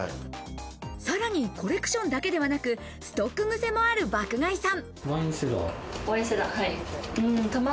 さらにコレクションだけでなく、ストックぐせもある爆買いさん。